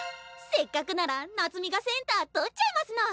せっかくなら夏美がセンター取っちゃいますの！